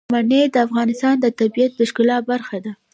منی د افغانستان د طبیعت د ښکلا برخه ده.